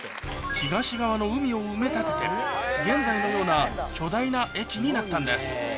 東側の海を埋め立てて現在のような巨大な駅になったんです